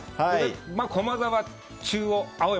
駒澤、中央、青山